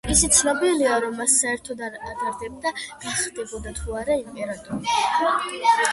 ისიც ცნობილია, რომ მას საერთოდ არ ადარდებდა გახდებოდა თუ არა იმპერატრიცა.